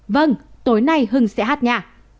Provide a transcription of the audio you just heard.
vâng tối nay hưng sẽ hát nha